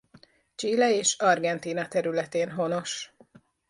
Chile és Argentína területén honos.